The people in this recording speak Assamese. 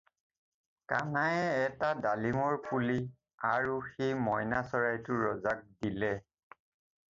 কানায়ে এটা ডালিমৰ পুলি আৰু সেই মইনা চৰাইটো ৰজাক দিলে।